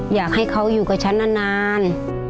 อยากให้เขาอยู่กับฉันนาน